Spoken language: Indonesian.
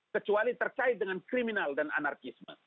kecuali terkait dengan kriminal dan anarkisme